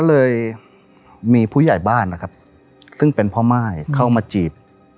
เลยมีผู้ใหญ่บ้านนะครับซึ่งเป็นพ่อม่ายเข้ามาจีบ